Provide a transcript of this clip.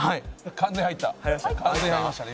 完全に入った？